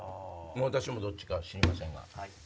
私もどっちかは知りませんが。